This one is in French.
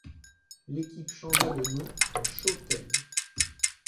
L'équipe changea de nom en ChoTen.